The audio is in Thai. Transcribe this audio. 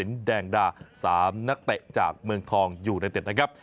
แดงดา๓นักเตะจากเมืองทองยูไนเต็ดนะครับ